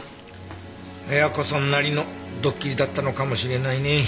綾子さんなりのどっきりだったのかもしれないね。